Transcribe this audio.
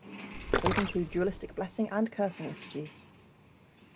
Both include dualistic blessing and cursing liturgies.